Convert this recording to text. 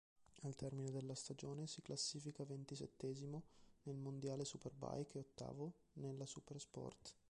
Al termine della stagione si classifica ventisettesimo nel mondiale Superbike e ottavo nella Supersport.